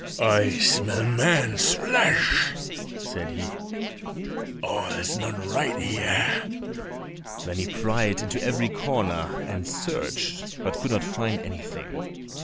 "I smell man's flesh," said he; "all is not right here." Then he pried into every corner, and searched, but could not find anything.